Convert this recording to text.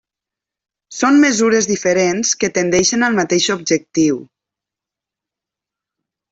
Són mesures diferents que tendeixen al mateix objectiu.